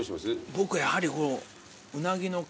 僕はやはりこの。